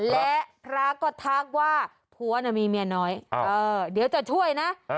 และพระก็ทักว่าผัวน่ะมีเมียน้อยเดี๋ยวจะช่วยนะ